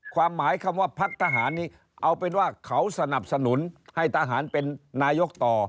ความหมายคำว่าพักทหารนี้เอาเป็นว่าเขาสนับสนุนให้ทหารเป็นนายกต่อ